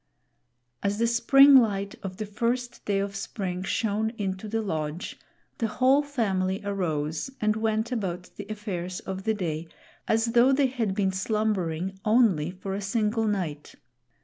As the spring light of the first day of spring shone into the lodge, the whole family arose and went about the affairs of the day as though they had been slumbering only for a single night.